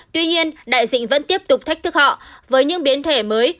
tuy nhiên đại dịch vẫn tiếp tục thách thức họ với những biến thể mới